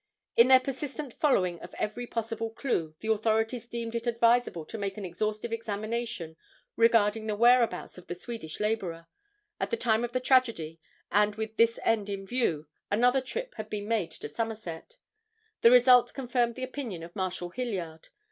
In their persistent following of every possible clue the authorities deemed it advisable to make an exhaustive examination regarding the whereabouts of the Swedish laborer, at the time of the tragedy, and with this end in view another trip had been made to Somerset. The result confirmed the opinion of Marshal Hilliard.